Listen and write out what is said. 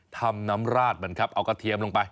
ทำน้ำราดมันครับเอากระเทียมลงไป